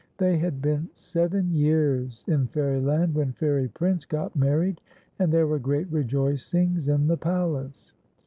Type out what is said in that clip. They had been seven years in Fairyland, when Fair\ Prince got married, and there were great rejoicings in the palace.